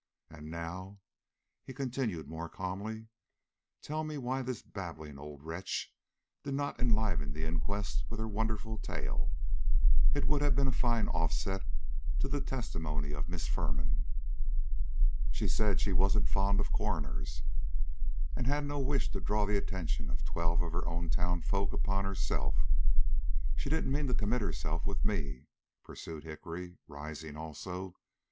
And now," he continued, more calmly, "tell me why this babbling old wretch did not enliven the inquest with her wonderful tale. It would have been a fine offset to the testimony of Miss Firman." "She said she wasn't fond of coroners and had no wish to draw the attention of twelve of her own townsfolk upon herself. She didn't mean to commit herself with me," pursued Hickory, rising also.